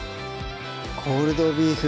「コールドビーフ」